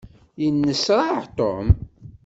Yenneṣṛaɛ Tom.